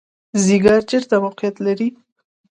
ځیګر چیرته موقعیت لري؟